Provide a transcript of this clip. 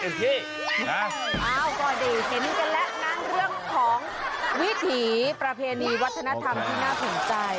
ก็ได้เห็นกันแล้วนะเรื่องของวิถีประเพณีวัฒนธรรมที่น่าสนใจ